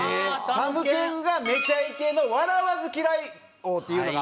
たむけんが『めちゃイケ』の「笑わず嫌い王」っていうのがあったんや。